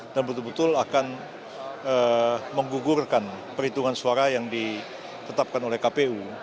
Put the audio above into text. dan betul betul akan menggugurkan perhitungan suara yang ditetapkan oleh kpu